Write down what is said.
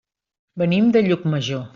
Venim de Llucmajor.